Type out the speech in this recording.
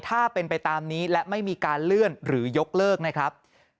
ถ้าเป็นไปตามนี้และไม่มีการเลื่อนหรือยกเลิกนะครับ